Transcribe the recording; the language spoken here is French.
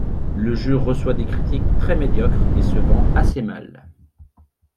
Le jeu reçoit des critiques très médiocres et se vend assez mal.